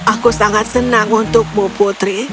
aku sangat senang untukmu putri